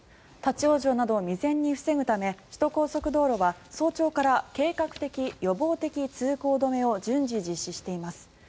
立ち往生などを未然に防ぐため首都高速道路は早朝から計画的・予防的通行止めを順次実施しています。